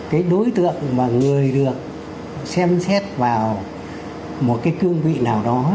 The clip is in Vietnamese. cái đối tượng mà người được xem xét vào một cái cương vị nào đó